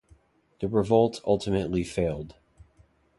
The revolt ultimately failed.